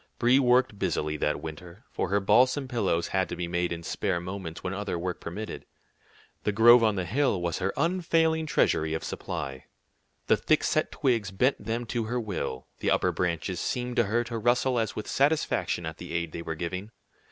Brie worked busily that winter, for her balsam pillows had to be made in spare moments when other work permitted. The grove on the hill was her unfailing treasury of supply. The thick set twigs bent them to her will; the upper branches seemed to her to rustle as with satisfaction at the aid they were giving.